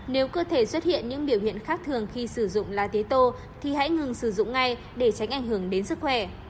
nếu cơ thể xuất hiện những biểu hiện khác thường khi sử dụng lá tế tô thì hãy ngừng sử dụng ngay để tránh ảnh hưởng đến sức khỏe